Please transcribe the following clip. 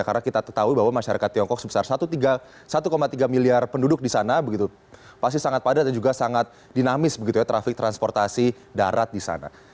karena kita ketahui bahwa masyarakat tiongkok sebesar satu tiga miliar penduduk di sana begitu pasti sangat padat dan juga sangat dinamis begitu ya trafik transportasi darat di sana